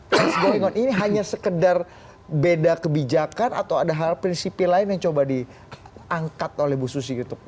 proses gorengan ini hanya sekedar beda kebijakan atau ada hal prinsipi lain yang coba diangkat oleh bu susi gitu